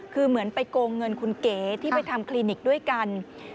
คือเหมือนไปโกงเงินคุณเก๋ที่ไปทำคลินิกด้วยกัน